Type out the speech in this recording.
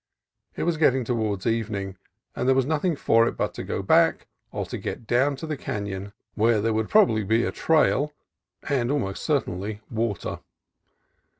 It was getting towards evening, and there was nothing for it but to go back or to get down to the canon, where there would probably be a trail, and almost certainly water.